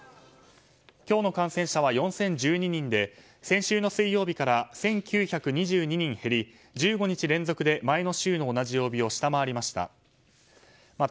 今日の感染者は４０１２人で先週の水曜日から１９２２人減り、１５日連続で前の週の同じ曜日を下回りました。